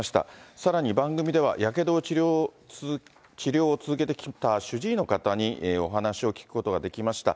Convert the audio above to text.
さらに番組では、やけどの治療を続けてきた主治医の方にお話を聞くことができました。